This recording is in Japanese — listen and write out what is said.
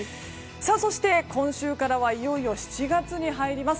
そして、今週からはいよいよ７月に入ります。